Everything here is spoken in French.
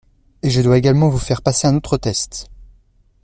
Et je dois également vous faire passer un autre test